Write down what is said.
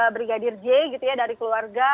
brigadir j dari keluarga